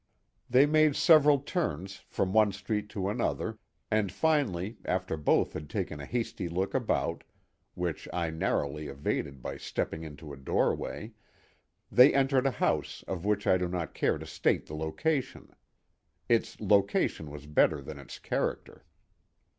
They made several turns from one street to another and finally, after both had taken a hasty look all about—which I narrowly evaded by stepping into a doorway—they entered a house of which I do not care to state the location. Its location was better than its character.